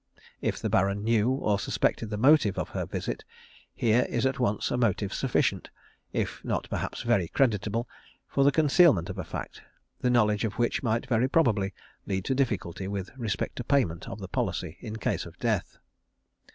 If the Baron knew or suspected the motive of her visit, here is at once a motive sufficient, if not perhaps very creditable, for the concealment of a fact, the knowledge of which might very probably lead to difficulty with respect to payment of the policy in case of death.